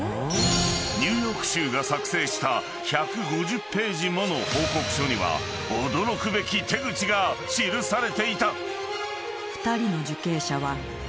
［ニューヨーク州が作成した１５０ページもの報告書には驚くべき手口が記されていた］